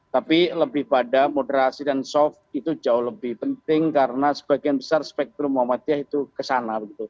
tapi lebih pada moderasi dan soft itu jauh lebih penting karena sebagian besar spektrum muhammadiyah itu kesana